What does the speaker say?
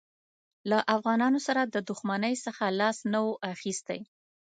له افغانانو سره د دښمنۍ څخه لاس نه وو اخیستی.